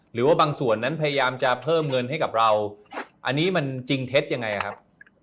หรือว่าบางส่วนนั้นพยายามจะเพิ่มเงินให้กับเราอันนี้มันจริงเท็จยังไงครับ